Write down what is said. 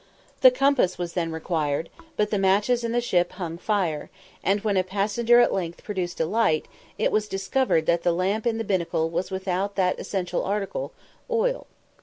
The compass was then required, but the matches in the ship hung fire; and when a passenger at length produced a light, it was discovered that the lamp in the binnacle was without that essential article, oil.